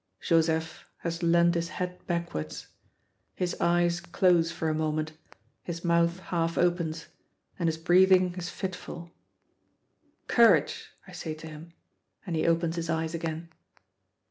Joseph has leaned his head backwards. His eyes close for a moment, his mouth half opens, and his breathing is fitful. "Courage!" I say to him, and he opens his eyes again.